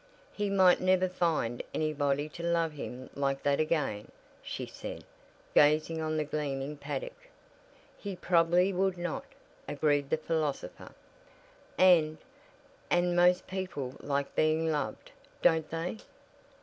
"He might never find anybody to love him like that again," she said, gazing on the gleaming paddock. "He probably would not," agreed the philosopher. "And and most people like being loved, don't they?"